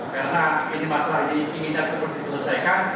karena ini masalah ini inginnya diselesaikan